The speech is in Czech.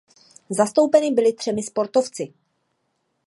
Zastoupeny byly třemi sportovci.